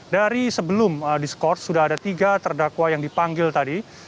dari sebelum diskors sudah ada tiga terdakwa yang dipanggil tadi